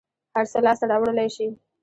هر څه لاس ته راوړلى شې.